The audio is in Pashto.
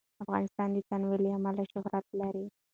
افغانستان د تنوع له امله شهرت لري.